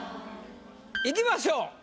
いきましょう。